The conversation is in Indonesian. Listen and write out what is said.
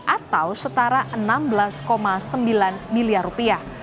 atau setara enam belas sembilan miliar rupiah